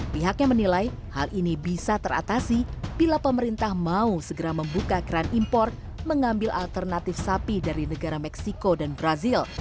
pihaknya menilai hal ini bisa teratasi bila pemerintah mau segera membuka keran impor mengambil alternatif sapi dari negara meksiko dan brazil